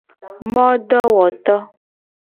Modowoto.